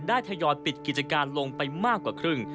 ทยอยปิดกิจการลงไปมากกว่าครึ่ง